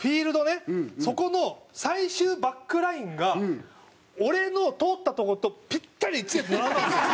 そこの最終バックラインが俺の通ったとことぴったり１列に並んだんですよ